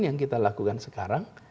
yang kita lakukan sekarang